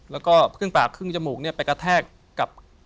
แล้วก็ครึ่งปากครึ่งจมูกเนี่ยไปกระแทกกับ